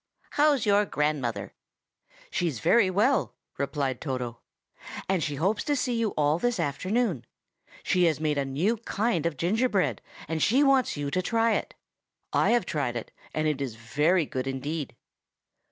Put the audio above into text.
How's your grandmother?" "She's very well," replied Toto, "and she hopes to see you all this afternoon. She has made a new kind of gingerbread, and she wants you to try it. I have tried it, and it is very good indeed."